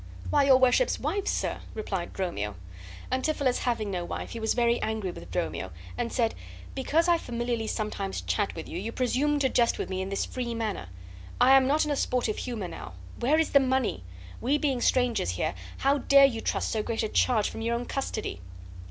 "Why, your worship's wife, sir!" replied Dromio. Antipholus having no wife, he was very angry with Dromio, and said: "Because I familiarly sometimes chat with you, you presume to jest with me in this free manner. I am not in a sportive humor now. Where is the money? We being strangers here, how dare you trust so great a charge from your own custody?"